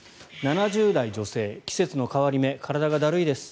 ７０代女性、季節の変わり目体がだるいです。